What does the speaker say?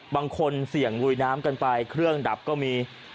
บางคนเสี่ยงลุยน้ำกันไปเครื่องดับก็มี